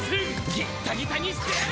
ギッタギタにしてやる！